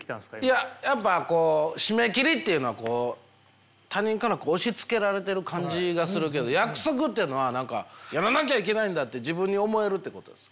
いややっぱこう締め切りっていうのは他人から押しつけられてる感じがするけど約束っていうのはやらなきゃいけないんだって自分に思えるってことです。